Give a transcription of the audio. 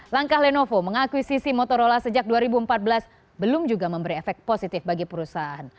langkah lenovo mengakuisisi motorola sejak dua ribu empat belas belum juga memberi efek positif bagi perusahaan